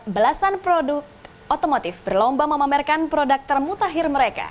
belasan produk otomotif berlomba memamerkan produk termutahir mereka